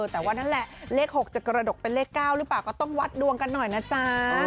แต่ว่านั่นแหละเลข๖จะกระดกเป็นเลข๙หรือเปล่าก็ต้องวัดดวงกันหน่อยนะจ๊ะ